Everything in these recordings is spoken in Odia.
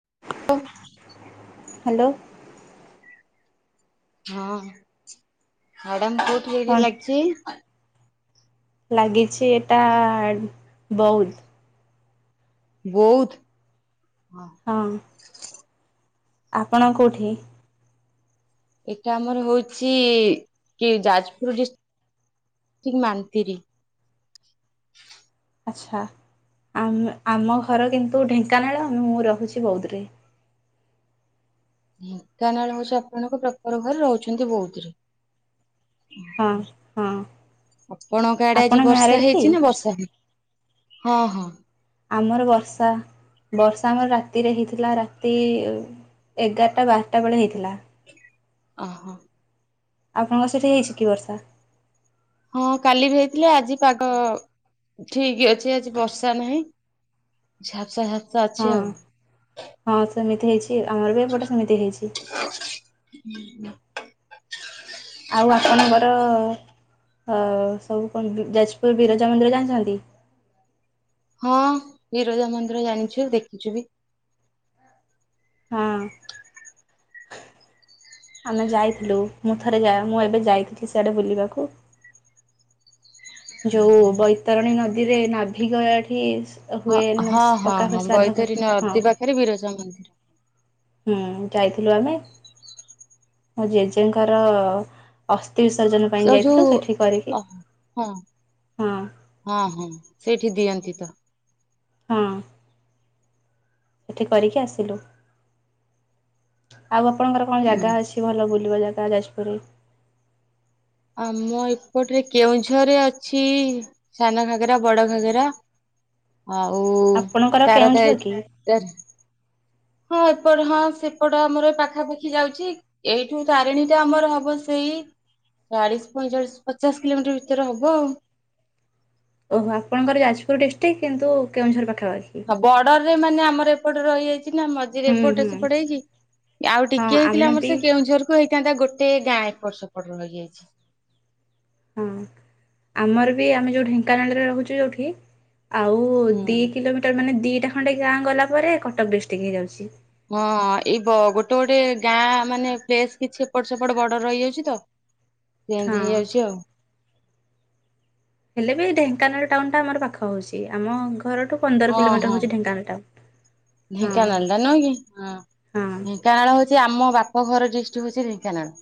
[unintelligible] ହାଲୋ ହଁ, ମ୍ୟାଡାମ କୋଉଠି କଣ ରେ [unintelligible] ଲାଗଛି? ଲାଗିଛି ଏଟା ବହୁତ ବୌଧ ହଁ ଆପଣ କୋଉଠି? ଏଇଟା ଆମର ହଉଛି କି ଯାଜପୁର ଡି ଠିକ ମାନନ୍ତିରି। ଆଛା, ଆ ଆମ ଘର କିନ୍ତୁ ଢେଙ୍କାନାଳ, ମୁଁ ରହୁଛି ବୌଧରେ। ଢେଙ୍କାନାଳ ହଉଛି ଆପଣଙ୍କ ପ୍ରପର ଘର, ରହୁଛନ୍ତି ବୌଦରେ। ହଁ ହଁ ଆପଣଙ୍କ ଆଡେ ଆପଣ ଆଜି ବର୍ଷା ମ୍ୟାରେଡ଼୍ କି ହେଇଛି ନା ବର୍ଷା ହ? ହଁ ହଁ। ଆମର ବର୍ଷା, ବର୍ଷା ଆମର ରାତିରେ ହେଇଥିଲା, ରାତି ଏଗାରଟା ବାରଟା ବେଳେ ହେଇଥିଲା। ଅ ହୋ ଆପଣଙ୍କ ସେଠି ହେଇଛି କି ବର୍ଷା? ହଁ କାଲି ବି ହେଇଥିଲା, ଆଜି ପାଗ ଠିକ ଅଛି, ଆଜି ବର୍ଷା ନାହିଁ। ଝାପସା ଝାପ ହଁ, ହଁ, ସେମିତି ହେଇଛି, ଆମର ବି ଏପଟେ ସେମିତି ହେଇଛି। ହୁଁ ହୁଁ। ଆଉ ଆପଣଙ୍କର ହ ସବୁ କଣ ଯାଜପୁର ବିରଜା ମନ୍ଦିର ଜାଣିଛନ୍ତି? ହଁ ବିରଜା ମନ୍ଦିର ଜାଣିଛୁ, ଦେଖିଛୁ ବି। ହଁ। ଆମେ ଯାଇଥିଲୁ, ମୁଁ ଥରେ, ମୁଁ ଏବେ ଯାଇଥିଲି ସେଆଡେ ବୁଲିବାକୁ ଯୋଉ ବୈତରଣୀ ନଦୀରେ ନାଭି ଗୟାଠି ହଁ ହୁଏ ହଁ ହଁ ପକା ହୋଇ ହଁ ସାଦ୍ଧଘର, ବୈତରଣୀ ହଁ ନଦୀ ପାଖରେ ବିରଜା ମନ୍ଦିର। ହୁଁ ଯାଇଥିଲୁ ଆମେ, ମୋ ଜେଜେଙ୍କର ଅ ବିସର୍ଜନ ସେ ପାଇଁ ଯୋଉ ଯାଇଥିଲୁ, ସେଠି କରିକି ଅ ହଁ, ହଁ ହଁ, ସେଇଠି ଦିଅନ୍ତି ତ। ହଁ। ସେଠି କରିକି ଆସିଲୁ, ଆଉ ଆପଣଙ୍କର କଣ ଜାଗା ଅଛି ଭଲ ବୁଲିବା ଜାଗା ଯାଜପୁର ଆମ ଏପଟରେ କେଉଁଝରେ ଅଛି ସାନ ଘାଗେରା, ବଡ ଘାଗରା ଆଉ ଆପଣଙ୍କର ତାର ତ କେଉଁଝର କି ତାର ହଁ ଏପଟ, ହଁ ସେପଟ, ଆମର ପାଖାପାଖି ଯାଉଛି, ଏଇଠୁ ତାରିଣୀ ଟା ଆମର ହବ ସେଇ ଚାଳିଶ ପଇଁଚାଳିଶ ପଚାଶ କିଲୋମିଟର ଭିତରେ ହବ ଆଉ। ଓହୋ, ଆପଣଙ୍କର ଯାଜପୁର ଡିଷ୍ଟ୍ରିକ୍ କିନ୍ତୁ କେଉଁଝର ପାଖାପାଖି ହଁ ବର୍ଡରରେ ମାନେ ଆମର ଏପଟେ ରହିଯାଇଛି ନା ମଝିରେ ହୁଁ ଏପଟ ହୁଁ ସେପଟ ହେଇଛି ଆଉ ହଁ ଟିକେ ହେଇଥିଲା ଆମେ ଆମର ବି ସେ କେଉଁଝର ହେଇ କାନ୍ତା ଗୋଟେ ଗାଁ ଏପଟ ସେପଟ ରହି ଯାଇଛି। ହଁ ଆମର ବି ଆମେ ଯୋଉ ଢେଙ୍କାନାଳରେ ରହୁଛୁ ଯୋଉଠି ଆଉ ଦି ହୁଁ କିଲୋମିଟର ମାନେ ଦିଇଟା ଖଣ୍ଡେ ଗାଁ ଗଲା ପରେ କଟକ ଡିଷ୍ଟ୍ରି ହେଇଯାଉଛି। ହଁ ଏଇ ବ ଗୋଟେ ଗୋଟେ ଗାଁ ମାନେ ପ୍ଲେସ କିଛି ଏପଟ ସେପଟ ବଡ ରହିଯାଉଛି ତ। ହଁ ଚେଞ୍ଜ ହେଇଯାଉଛି ଆଉ ହେଲେ ବି ଢେଙ୍କାନାଳ ଟାଉନ ଟା ଆମର ପାଖ ହଉଛି ଆମ ଘରଠୁ ପନ୍ଦର ହଁ କିଲୋମିଟର ହଁ ହଉଛି ଢେଙ୍କାନାଟା। ଢେଙ୍କାନାଳ ଟା ନୁହଁ କି ହଁ। ଢେଙ୍କାନାଳ ହଉ ଆମ ବାପଘର ଡିଷ୍ଟ୍ରି ହଉଛି ଢେଙ୍କାନାଳ।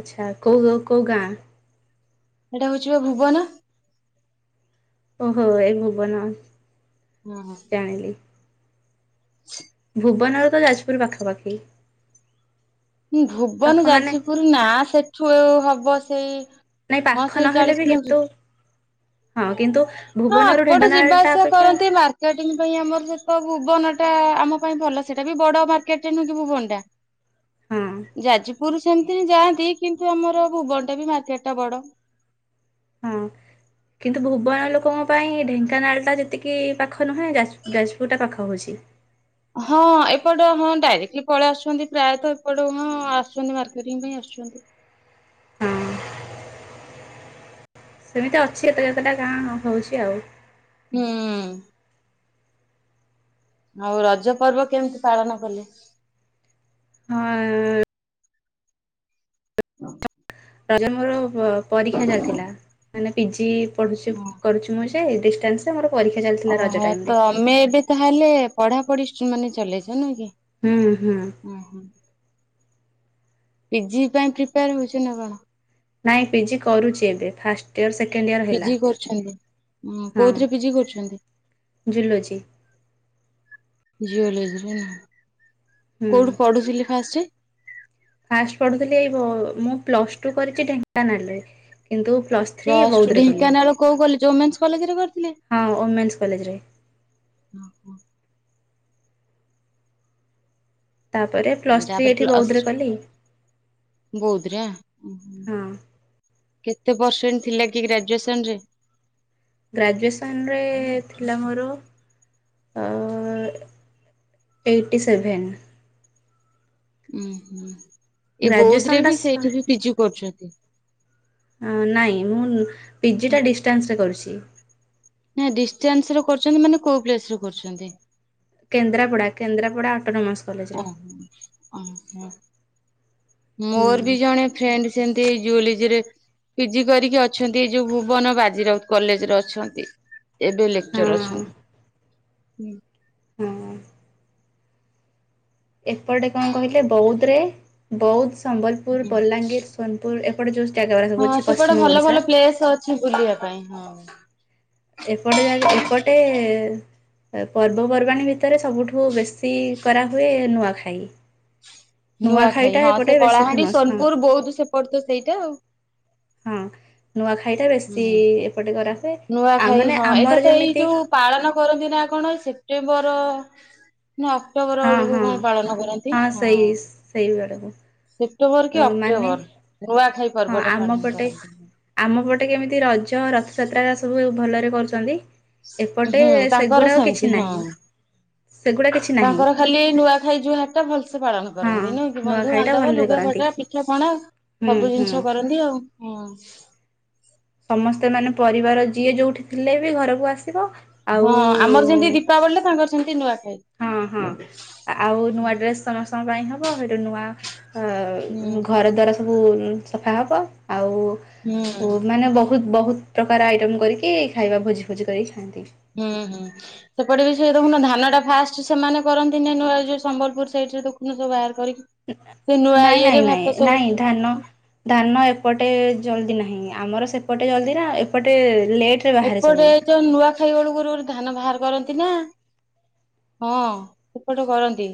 ଆଛା କୋଉ କଉ ଗାଁ? ସେଇଟା ହଉଛି ବା ଭୁବନ। ଓହୋ ଏଇ ଭୁବନ। ହୁଁ ହୁ। ଜାଣିଲି। ଭୁବନ ର ତ ଯାଜପୁର ପାଖାପାଖି। ପାଖ ଭୁବନ ମାନେ ଯାଜପୁର ନା ସେଠୁ ଆ ହବ ସେଇ ନାଇଁ ପାଖ ହଁ ସେଇ ନହେଲେ ବି ଚାଳିଶ କିଲୋମ୍ କିନ୍ତୁ ହଁ କିନ୍ତୁ ହ ଭୁବନରୁ ଏପଟେ ଢେଙ୍କାନାଳ ଯିବା ଟା ଆସିବା ଅପେକ୍ଷା କରନ୍ତି ମାର୍କେଟିଂ ପାଇଁ ଆମର ତ ଭୁବନଟା ଆମ ପାଇଁ ଭଲ ସେଇଟା ବି ବଡ ମାର୍କେଟରେ ନୁହଁ କି ଭୁବନ ଟା। ହଁ ଯାଜ ପୁରୁ ସେମିତି ଯାଆନ୍ତି କିନ୍ତୁ ଆମର ଭୁବନ ଟା ବି ମାର୍କେଟ ଟା ବଡ। ହଁ। କିନ୍ତୁ ଭୁବନ ଲୋକଙ୍କ ପାଇଁ ଢେଙ୍କାନାଳ ଟା ଯେତିକି ପାଖ ନୁହେଁ। ଯାହା ଯାଜପୁର ଟା ପାଖ ହଉଛି। ହଁ ହଁ ଏପଟ ହଁ ଡାଇରେକ୍ଟଲି ପଳେଇ ଆସୁଛନ୍ତି ପ୍ରାୟ ତ ଏପଟ ହଁ ଆସୁଛନ୍ତି ମାର୍କେଟିଂ ପାଇଁ ଆସୁ ଛନ୍ତି। ହଁ ସେମିତି ଅଛି ଏତ କେତେଟା ଗାଁ ହଉଛି ଆଉ। ହୁଁ। ଆଉ ରଜ ପର୍ବ କେମିତି ପାଳନ କଲେ? ହଁ। ହଁ ରଜ ମୋର ପରୀକ୍ଷା ଚାଲିଥିଲା ମାନେ ପିଜି ପଢୁଛି କରୁଛି ମୁଁ। ଡିାନ୍ସରେ ମୋର ପରୀକ୍ଷା ଚାଲିଥିଲା ରଜ ଓହୋ ଟାଇମରେ। ତ ଆମେ ଏବେ ତାହେଲେ ପଢାପଢି ମାନେ ଚଲେଇଛ ନୁହଁ କି? ହୁଁ ହୁଁ। ଉଁ ହୁଁ ପିଜି ପାଇଁ ପ୍ରିପେୟାର ହଉଛି ନା କଣ? ନାଇଁ ପିଜି କରୁଛି ଏବେ ଫାଷ୍ଟ୍ ପିଜି କରୁଛନ୍ତି କୋଉଥିରେ ପିଜି କରୁଛନ୍ତି? ଜୁଲୋଜୀ। ଯୁଲଜି ନା ହୁଁ। କୋଉଠୁ ପଢୁଥିଲି ଫାଷ୍ଟେ? ଫାଷ୍ଟ ପଢୁଥିଲି ଏଇ ମୁଁ ପ୍ଲସ ଟୁ କରିଛି ଢେଙ୍କାନାଳରେ କିନ୍ତୁ ପ୍ଲସ୍ ଥ୍ରୀ ପ୍ଲଷ୍ଟୁ ବୌଦ୍ଧରେ କଲି ଢେଙ୍କାନାଳ କୋଉ କଲେଜ ଓମେନ୍ସ କଲେଜରେ କରି ହଁ ଓମେନ୍ସ କଲେଜରେ। ତାପରେ ପ୍ଲସ୍ ଥ୍ରୀ ଏଠି ବୌଦୁରେ କଲି। ବୌଦୁରେ? ଉ ହୁଁ ହଁ କେତେ ପରସେଣ୍ଟ ଥିଲା କି ଗ୍ରାଜୁଏସନ ରେ? ଗ୍ରାଜୁଏସନରେ ଥିଲା ମୋର ଏଇଟି ସେଭେନ। ଉଁ ହୁଁ ଏ ବୌଦୁ ରେ ଗ୍ରାଜୁଏସନଟା ବି ସ ସେଇଠି ବି ପିଜି କରୁଛନ୍ତି। ନାଇଁ ମୁଁ ପିଜି ଟା ଡିଷ୍ଟାନ୍ସରେ କରୁଛି। ନା ଡିଷ୍ଟାନ୍ସରେ କରୁଛନ୍ତି ମାନେ କୋଉ ପ୍ଲେସ ରେ କରୁଛନ୍ତି? କେନ୍ଦ୍ରାପଡା କେନ୍ଦ୍ରାପଡା ଅଟୋନମସ ଓହୋ ଓୋ ହୁଁ ମୋର ବି ଜଣେ ଫ୍ରେଣ୍ଡ ଯେମିତି ଜୁଲିଜରେ ପିଜି କରିକି ଅଛନ୍ତି ଏ ଯୋଉ ଭୁବନ ବାଜିରାଉତ କଲେଜରେ ଅଛନ୍ତି। ଏବେ ଲେକ୍ଚର ହଁ ଅଛନ୍ତି ହୁଁ। ହଁ। ଏପଟେ କଣ କହିଲେ ବୌଦ୍ ରେ ବୌଦ୍ ସମ୍ବଲପୁର, ବଲାଙ୍ଗୀର ସୋନପୁର ଏପଟେ ଯୋଉ ଜାଗାଗୁରା ସବୁ ହଁ ଅଛି ସେପଟେ ପଶ୍ଚିମ ଭଲ ଓଡ଼ିଶା ଭଲ ପ୍ଲେସ ଅଛି ବୁଲିବା ପାଇଁ ହଁ। ଏପଟେ ଯଆକ ଏପଟେ ପର୍ବପର୍ବାଣୀ ଭିତରେ ସବୁଠୁ ବେଶୀ କରାହୁଏ ନୂଆଖାଇ। ନୂଆଖାଇ ନୂଆଖାଇଟା ହଁ ସେ ଏପଟେ ବେଶୀ କଳାହାଣ୍ଡି ଫେମସ୍ ହଁ ସୋନପୁର ବୌଦ୍ ସେପଟ ତ ସେଇଟା ଆଉ? ହଁ ନୂଆଖାଇ ଟା ବେଶୀ ହୁଁ। ଏପଟେ କରା ନୂଆଖାଇ ହଁ ଏଇଟା ତ ଏଇ ଯୋଉ ପାଳନ କରନ୍ତି ନା କଣ ଏଇ ସେପ୍ଟେମ୍ବର ତଅ ନା ଅକ୍ଟୋବର ହଁ ବେଳକୁ ହଁ କଣ ପାଳନ କରନ୍ତି ହଁ ସେଇ ସେଇ ବେଳକୁ ସେ ଅକ୍ଟୋବର କି ମାନେ ଅକ୍ଟୋବର ନୂଆ ଖାଇ ହଁ ଆମ ପଟେ ଆମ ପଟେ କେମିତି ରଜ ର [unintelligible] ସବୁ ଭଲରେ କରୁଛନ୍ତି। ଏପଟେ ହୁଁ ତାଙ୍କର ସେଗୁଡାକ ସେମିତି କିଛି ହଁ ନାହିଁ। ସେଗୁଡ଼ା କିଛି ନାହିଁ ତାଙ୍କର ଖାଲି ନୂଆଖାଇ ଜୁହାର ଟା ଭଲସେ ପାଳନ ହଁ କରନ୍ତି ନୁଁକି ବନ୍ଧୁ ନୂଆଖାଇଟା ବାନ୍ଧବ ଭଲରେ ଲୁଗା କରନ୍ତି। ପଟା ପିଠା ପଣା ହୁଁ ସବୁ ହୁଁ। ଜିନିଷ କରନ୍ତି ଆଉ ହଁ। ସମସ୍ତେ ମାନେ ପରିବାର ଯିଏ ଯୋଉଠି ଥିଲେ ବି ଘରକୁ ଆସି ହଁ ଆମର ଯେମିତି ଦୀପାବଳୀ ତାଙ୍କର ସେମିତି ନୂଆ ହଁ ହଁ ଆଉ ନୂଆ ଡ୍ରେସ୍ ତମ ସମଙ୍କ ପାଇଁ ହବ ସେଇଟୁ ନୂଆ ଅ ହୁଁ ଘର ଦ୍ବାର ସବୁ ସଫା ହବ ଆଉ ହୁଁ। ମାନେ ବହୁ ବହୁତ ପ୍ରକାର ଆଇଟମ୍ କରିକି ଖାଇବା ଭୋଜି ଭୋଜି କରିକି ଖାଆନ୍ତି ହୁଁ ହୁଁ ସେପଟେ ବି ସେ ଦେଖୁନ ଧାନ ଟା ଫାଷ୍ଟ ସେମାନେ କରନ୍ତି ନାଇ ନଆଉ ସମ୍ବଲପୁର ସାଇଡି ରେ ଦେଖୁ ସବ ବାହାର କରିକି ସେ ନୂଆ ନାଇଁ - ଇଏରେ ନାଇଁ- ନାଇଁ ଭାତ - ସବୁ ନାଇଁ ଧାନ ଧାନ ଏପଟେ ଜଲଦି ନାହିଁ। ଆମର ସେପଟେ ଜଲ୍ଦି ନା ଏପଟେ ଲେଟରେ ବାହାରେ ଏପଟେ ସବୁ ଯୋଉ ନୂଆଖାଇ ବେଳକୁ ଧାନ ବାହାର କରନ୍ତି। [inaudible] ହଁ ସେପଟ କରନ୍ତି।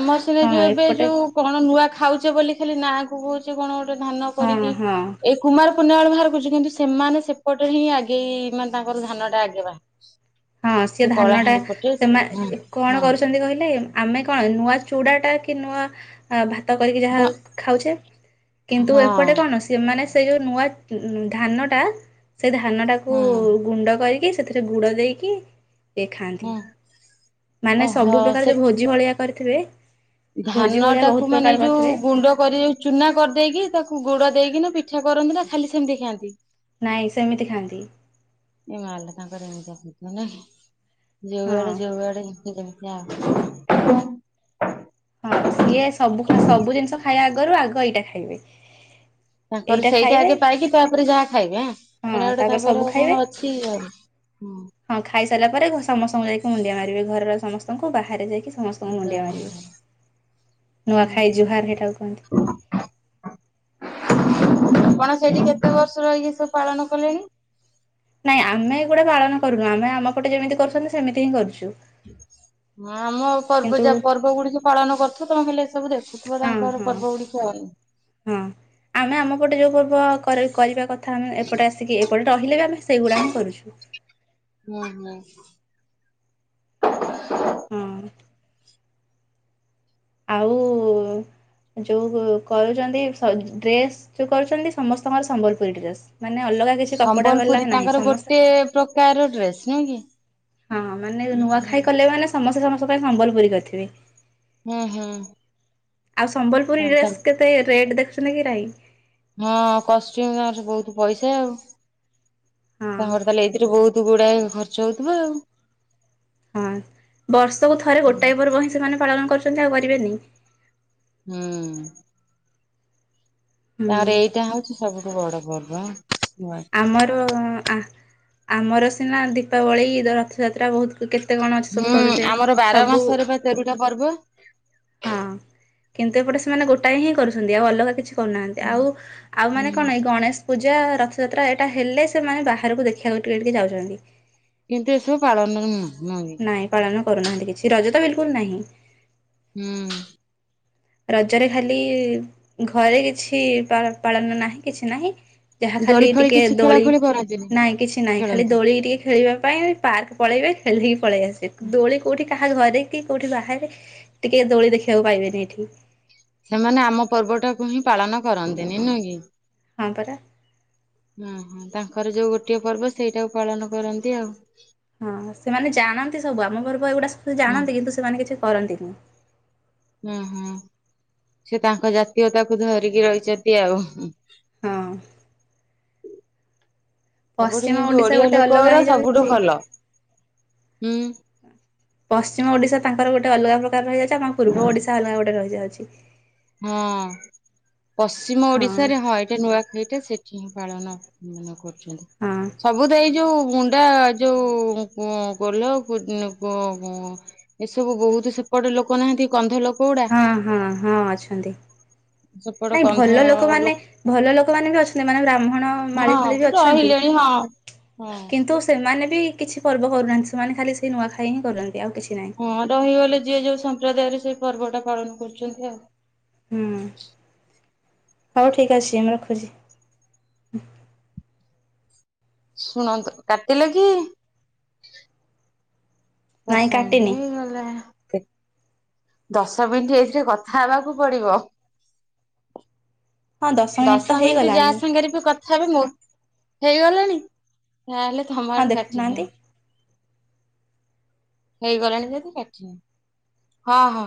ଆମ ସିନା ହଁ ଯୋଉ ଏବେ ଏପଟେ ଯୋଉ କଣ ନୂଆ ଖାଉଛେ ବୋଲି ଖାଲି ନାଁ କ କହୁଛେ କଣ ଧାନ ହଁ କରିକି, ହଁ ଏ କୁମାରପୃଣିମା ବାହାର କରୁଛି କିନ୍ତୁ ସେମାନେ ସେପଟରେ ହିଁ ଆଗେଇ ମାନେ ତାଙ୍କର ଧାନଟା ଆଗେଇବା। ହଁ ସିଏ ଧାନ ଟା ହଁ ସେମାନେ କଣ କରୁଛନ୍ତି କହିଲେ ଆମେ କଣ ନୂଆ ଚୁଡାଟା କି ନୁଆ ଅ ଭାତ କରିକି ଯାହା ହଁ ଖାଉଛେ କିନ୍ତୁ ହଁ ଏପଟେ କଣ ସେମାନେ ସେ ଯୋଉ ନୂଆ ଧାନ ଟା ସେ ଧାନଟାକୁ ହଁ ଗୁଣ୍ଡ କରିକି ସେଥିରେ ଗୁଡ଼ ଦେଇ କି ହଁ ଓହୋ ଧାନଟାକୁ ମାନେ ଏଇ ଯୋଉ ଗୁଣ୍ଡ କରି ଯୋଉ ଚୁନା କରିଦେଇକି ତାକୁ ଗୁଡ ଦେଇକି ନା ପିଠା କରନ୍ତିନା ଖାଲି ସେମିତି ଖାଆନ୍ତି? ନାଇଁ ସେମିତି ଖାଆନ୍ତି। ଏଇ ମାଲୋ ତାଙ୍କର ଏମିତି ପିଠା ନା ହଁ ଯୋଉଆଡେ ଯୋଉଆଡେ ଯା କଁ ହଁ ସିଏ ସବୁ ସବୁ ଜିନିଷ ଖାଇବା ଆଗରୁ ଆଗ ଏଇଟା ଖାଇବେ। ତାଙ୍କର ଏଇଟା ସେଇଟା ଖାଇବେ ଆଗେ ପାଇକି ତାପରେ ଯାହା ଖାଇବେ ଆଁ ଏଣ ହଁ ଗୋଟେ ତାପରେ ସବୁ ତାଙ୍କର ଖାଇବେ କଣ ଅଛି ଆଉ ହଁ। ସାରିଲ ପରେ ସମସ୍ତଙ୍କୁ ଯାଇକି ମୁଣ୍ଡିଆ ମାରିବେ ଘରର ସମସ୍ତଙ୍କୁ ବାହାରେ ଯାଇକି ସମସ୍ତଙ୍କୁ ମୁଣ୍ଡିଆ ମାରିବେ। ଉଁ ନୁଆଖାଇ ହୁଁ। ଜହାର ହେଟାକୁ କହନ୍ତି। ଆପଣ ସେଇଠି କେତେ ବର୍ଷ ର ଇ ସବୁ ପାଳନ କଲେଣି? ନାଇଁ ଆମେ ଏଗୁରା ପାଳନ କରୁନୁ ଆମେ ଆମ ପଟେ ଯେମିତି କରୁଛନ୍ତି ସେମିତି ହିଁ କରୁଛୁ। ହଁ ଆମ ପର୍ବ କିନ୍ତୁ ଯ ପର୍ବ ଗୁଡିକ ପାଳନ କରୁଥୁବେ ହେଲେ ସବୁ ଦେଖୁଥଥିବା ହଁ ତାଙ୍କର ହଁ ପର୍ବ ଗୁଡିକ ଅନ। ହଁ ଆମେ ଆମ ପଟେ ଯୋଉ ପର୍ବ କରିବା କଥା ଆମେ ଏପଟେ ଆସିକି ଏପଟେ ରହିଲେ ବି ଆମେ ସେଇଗୁଡା ହିଁ କରୁଛୁ। ହୁଁ ହୁଁ। ହଁ। ଆଉ ଯୋଉ କରୁଛନ୍ତି ଡ୍ରେସ ଯୋଉ କରୁଛନ୍ତି ସମସ୍ତଙ୍କର ସମ୍ବଲପୁରୀ ଡ୍ରେସ। ମାନେ ଅଲଗା କିଛି କପଡା ବାଲା ସମ୍ବଲପୁରୀ ନାହିଁ ତାଙ୍କର ସମସ୍ତେ ଗୋଟେ ପ୍ରକାର ଡ୍ରେସ ନୁହେଁ କି? ହଁ ମାନେ ଉଁ ନୂଆଖାଇ କଲେ ମାନେ ସମସ୍ତେ ସମସ୍ତଙ୍କ ପାଇଁ ସମ୍ବଲପୁରୀ କରିଥିବେ। ହୁଁ ହୁଁ। ଆଉ ସମ୍ବଲପୁରୀ ହୁଁ ଡ୍ରେସ କେତେ ରେଟ ଦେଖୁଛନ୍ତିକି ନାହିଁ। ହଁ କଷ୍ଟ୍ୟୁମ ତାଙ୍କର ବହୁତ ପଇସା ଆଉ ହଁ ତାଙ୍କର ତାହେଲେ ଏଇଥିରେ ବହୁତ ଗୁଡାଏ ଖର୍ଚ୍ଚ ହଉଥିବ ଆଉ। ହଁ ବର୍ଷକୁ ଥରେ ଗୋଟାଏ ପର୍ବ ହ ସେମାନେ ପାଳନ କରୁଛନ୍ତି ଆଉ କରିବେନି। ହୁଁ। ହୁଁ ତାରେ ଏଇଟା ହଉଛି ସବୁଠୁ ବଡ ପର୍ବ ଆଁ। ଆମର ଆମର ସିନା ଦୀପାବଳି ରଥଯାତ୍ରା ତା ବହୁତ କେତେ କଣ ଅଛି ସବୁ ହୁଁ କରୁଛେ ଆମର ବାର ସବୁ ମାସରେ ବା ତେରଟା ପର୍ବ। ହଁ କିନ୍ତୁ ଏପଟେ ସେମାନେ ଗୋଟାଏ ହିଁ କରୁଛନ୍ତି ଆଉ ଅଲଗା କିଛି କରୁନାହାନ୍ତି ହୁଁ ଆଉ ଆଉ ମାନେ ହୁଁ କଣ ଏଇ ଗଣେଶ ପୂଜା ରଥଯାତ୍ରା ଏଇଟା ହେଲେ ସେମାନେ ବାହାରକୁ ଦେଖିବାକୁ ଟିକେ ଟିକେ ଯାଉଛନ୍ତି। କିନ୍ତୁ ଏସବୁ ପାଳନ ନୁ। ନାଇଁ ପାଳନ କରୁନାହାନ୍ତି କିଛି ରଜତ ବିଲକୁଲ ନାହିଁ। ହୁଁ। ରଜରେ ଖାଲି ଘରେ କିଛି ପା ପାଳନ ନାହିଁ କିଛି ନାହିଁ ଯାହା ଦୋଳି ଖାଲି ଫୋଳି ଟିକେ କିଛି ଖେଳା ଦୋଳି ଖେଳି କରନ୍ତିନି ନାଇଁ କିଛି ନାଇଁ ଖାଲି ଖେଳନ୍ତି। ଦୋଳି ଟିକେ ଖେଳିବା ପାଇଁ ପାର୍କ ପଳେଇବେ ଖେଳିଦେକି ପଳେଇ ଆସିବେ ଦୋଳି କୋଉଠି କାହା ଘରେ କି କୋଉଠି ବାହାରେ ଟିକେ ଦୋଳି ଦେଖିବାକୁ ପାଇବେନି ଏଠି। ସେମାନେ ଆମ ପର୍ବ ଟାକୁ ହିଁ ପାଳନ କରନ୍ତିନି ନୁହେଁ କି? ହଁ ପରା। ଓ ହୋ ତାଙ୍କର ଯୋଉ ଗୋଟିଏ ପର୍ବ ସେଇଟାକୁ ପାଳନ କରନ୍ତି ଆଉ। ହଁ ସେମାନେ ଜାଣନ୍ତି ସବୁ ଆମ ଘର ପା ଏଗୁଡା ସବ ହୁଁ ଜାଣନ୍ତି କିନ୍ତୁ ସେମାନେ କିଛି କରନ୍ତିନି। ହୁଁ ହୁଁ ସେ ତାଙ୍କ ଜାତୀୟତାକୁ ଧରିକି ରହିଛନ୍ତି ଆଉ। ହଁ ସବୁଠୁ ପଶ୍ଚିମ କିନ୍ତୁ ଓଡିଶା ଓଡିଆ ଗୋଟେ ଅଲଗା ଲୋକରା ସବୁଠୁ ହେଇଯାଉଛି ଭଲ ହୁଁ। ପଶ୍ଚିମ ଓଡିଶା ତାଙ୍କର ଗୋଟେ ଅଲଗା ପ୍ରକାର ରହିଯାଉଛି ଆମ ପୂର୍ବ ଓଡିଶା ଅଲଗା ଗୋଟେ ରହିଯାଉଛି। ହଁ ପଶ୍ଚିମ ଓଡିଶାରେ ହଁ ଏଇଟା ନୂଆଖାଇଟା ସେ ଠି ପାଳନ ମାନେ କରୁଛନ୍ତି ହଁ ସବୁ ତ ଏଇ ଯୋଉ ମୁଁଣ୍ଡା ଯୋଉ କ କୋଲ୍ହୋ କୁ ଗୋ ଗୁ ଗୁ ଏସବୁ ବହୁତ ସେ ପଟ ଲୋକ ନାହାନ୍ତି କନ୍ଧ ଲୋକ ଗୁଡା ହଁ ହଁ ହଁ ଅଛନ୍ତି। ସେପଟ ନାଇଁ କନ୍ଧ ଭଲ ଲୋକମାନେ ଲୋକ ଭଲ ଲୋକମାନେେ ବି ଅଛନ୍ତି ମାନେ ବ୍ରାହ୍ମଣ ମାଳି ଫାଳି ବି ହଁ ଅଛନ୍ତି ରହିଲେଣି ହଁ। ହଁ କିନ୍ତୁ ସେ ମାନେ ବି କିଛି ପର୍ବ କରୁନାହାନ୍ତି ସେମାନେ ଖାଲି ସେଇ ନୂଆଖାଇ ହିଁ କରନ୍ତି। ହଁ ରହିଗଲେ ଯିଏ ଯୋଉ ସମ୍ପ୍ରଦାୟରେ ସେଇ ପର୍ବଟା ପାଳନ କରୁଛନ୍ତି ଆଉ। ହୁଁ। ହଉ ଠିକ ଅଛି ମୁଁ ରଖୁଛି। ଶୁଣନ୍ତୁ, କାଟିଲ କି? ନାଇଁ ଦଶ ମିିନଟ କାଟିନି। ହେଇଗଲା। ଦଶ ମିନିଟ ଏଥିରେ କଥା ହେବାକୁ ପଡିବ। ହଁ ମିନିଟ୍ ତ ଦଶ ମିନିଟ ହେଇଗଲାଣି ଯାହା ସାଙ୍ଗରେ ବି କଥା ତଥାପି ମୋ ହେଇଗଲାଣି ତାହେଲେ ଥମ ହଁ ଆଡୁ କାଟି ଦିଅ। ଦେଖୁନାହାନ୍ତି। ହେଇଗଲାଣି ଯଦି କାଟି ହଁ ହଁ।